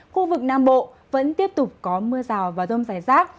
khu vực nam bộ vẫn tiếp tục có mưa rào và rông rải rác